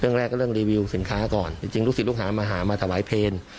เรื่องแรกก็เรื่องรีวิวสินค้าก่อนจริงลูกศิษย์ลูกหามาหามาถวายเพลง